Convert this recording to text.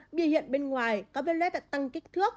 biểu hiện bên ngoài có viên lết đã tăng kích thước